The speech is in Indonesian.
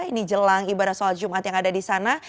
ini jelang ibadah sholat jumat yang ada di sana